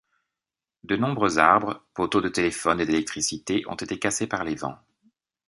De nombreux arbres, poteaux de téléphones et d'électricité ont été cassés par les vents.